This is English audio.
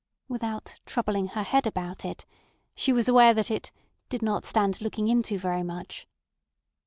Without "troubling her head about it," she was aware that it "did not stand looking into very much."